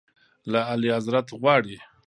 له اعلیحضرت غواړي.